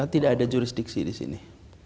tidak ada jurisdiksi di sini